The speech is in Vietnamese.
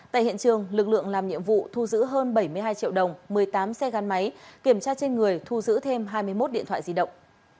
tại hiện trường lực lượng làm nhiệm vụ thu giữ hơn bảy mươi hai triệu đồng một mươi tám xe gắn máy kiểm tra trên người thu giữ thêm hai mươi một điện thoại di động